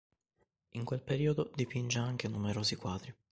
In quel periodo dipinge anche numerosi quadri.